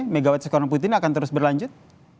megawatt sekorang putina akan terus berlanjut